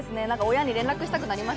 親に連絡したくなりましたね。